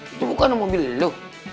itu bukan mobil lu